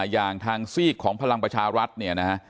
อย่างทางซีกของพลังประชารัฐเนี่ยนะฮะ